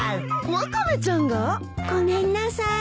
ワカメちゃんが！？ごめんなさい。